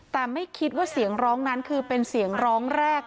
แต่ไม่คิดว่าเสียงร้องนั้นคือเป็นเสียงร้องแรก